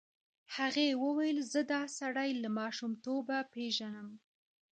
هغې وویل زه دا سړی له ماشومتوبه پېژنم.